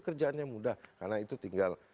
kerjaannya mudah karena itu tinggal